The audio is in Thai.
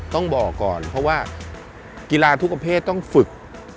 ต้องบอกก่อนเพราะว่ากีฬาทุกประเภทต้องฝึก